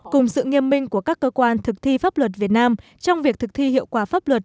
cùng sự nghiêm minh của các cơ quan thực thi pháp luật việt nam trong việc thực thi hiệu quả pháp luật